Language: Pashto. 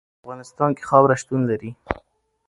په افغانستان کې خاوره شتون لري.